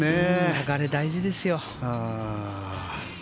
流れ、大事ですよ。